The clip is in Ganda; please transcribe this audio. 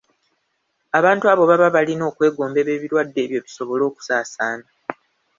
Abantu abo baba balina okwegombebwa ebirwadde ebyo bisobole okusaasaana.